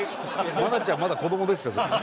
愛菜ちゃんまだ子供ですからその時。